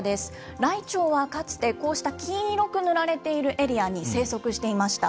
ライチョウはかつて、こうした黄色く塗られているエリアに生息していました。